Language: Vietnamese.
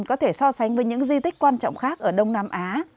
có thể so sánh với những di tích quan trọng khác ở đông nam á